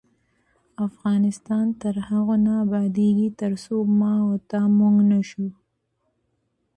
افغانستان تر هغو نه ابادیږي، ترڅو ما او تا "موږ" نشو.